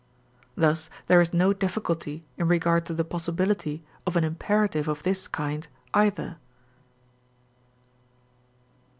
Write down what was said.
Thus there is no difficulty in regard to the possibility of an imperative of this kind either.